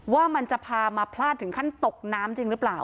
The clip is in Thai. ว่ามันจะพามาพลาดถึงขั้นตกน้ำจริงหรือเปล่า